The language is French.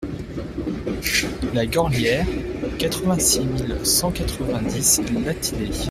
La Gorlière, quatre-vingt-six mille cent quatre-vingt-dix Latillé